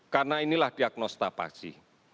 karena inilah diagnosa pasti